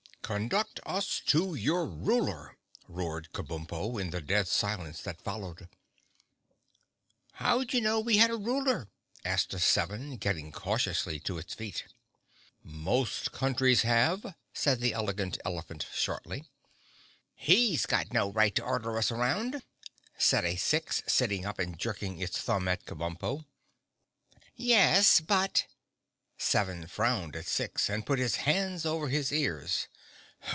"Conduct us to your Ruler!" roared Kabumpo, in the dead silence that followed. "How'd you know we had a Ruler?" asked a Seven, getting cautiously to its feet. "Most countries have," said the Elegant Elephant shortly. "He's got no right to order us around," said a Six, sitting up and jerking its thumb at Kabumpo. "Yes—but!" Seven frowned at Six and put his hands over his ears.